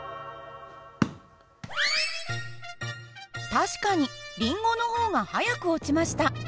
確かにリンゴの方が速く落ちました。